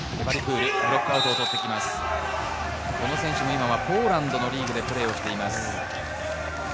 この選手はポーランドのリーグでプレーをしています。